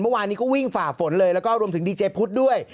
เมื่อวานนี้ก็วิ่งฝ่าฝนเลยแล้วก็รวมถึงดีเจพุทธด้วย